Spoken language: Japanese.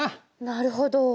なるほど。